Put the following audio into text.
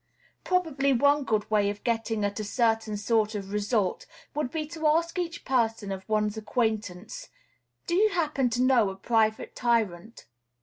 Probably one good way of getting at a certain sort of result would be to ask each person of one's acquaintance, "Do you happen to know a private tyrant?"